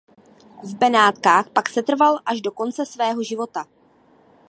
V Benátkách pak setrval až do konce svého života.